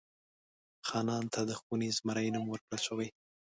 خانان ته د خوني زمري نوم ورکړل شوی.